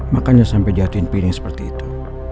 makanya sampai jatuhin piring seperti itu